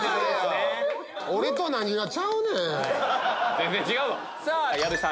全然違うわ！